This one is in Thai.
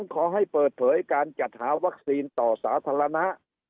ขอให้เปิดเผยการจัดหาวัคซีนต่อสาธารณะ